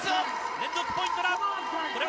連続ポイントだ。